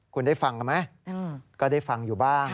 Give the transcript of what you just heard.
คุณได้ฟังกันไหมก็ได้ฟังอยู่บ้าง